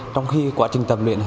trong khi quá trình tập luyện